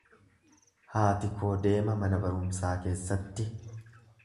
Haati koo deema mana barumsaa keessatti.